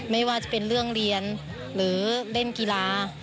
ไม่ว่าจะเป็นเรื่องเรียนหรือเล่นกีฬา